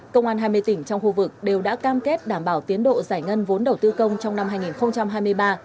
công an hai mươi tỉnh trong khu vực đều đã cam kết đảm bảo tiến độ giải ngân vốn đầu tư công trong năm hai nghìn hai mươi ba